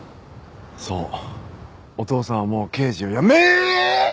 そうお父さんはもう刑事を辞め。ええーっ！？